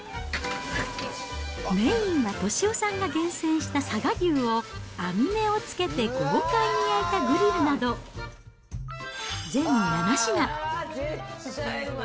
メインは俊雄さんが厳選した佐賀牛を、網目をつけて豪快に焼いたグリルなど、全７品。